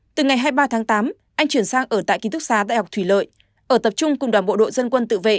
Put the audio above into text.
từ ngày hai mươi ba tháng tám anh chuyển sang ở tại ký túc xá đại học thủy lợi ở tập trung cùng đoàn bộ đội dân quân tự vệ